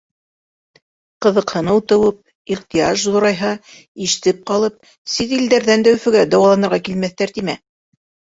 Ҡыҙыҡһыныу тыуып, ихтыяж ҙурайһа, ишетеп ҡалып, сит илдәрҙән дә Өфөгә дауаланырға килмәҫтәр тимә...